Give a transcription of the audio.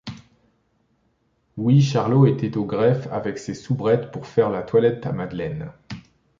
Oui, Charlot était au greffe avec ses soubrettes pour faire la toilette à Madeleine!